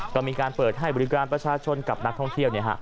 ก็มีการเปิดให้บริการประชาชนกับนักท่องเที่ยว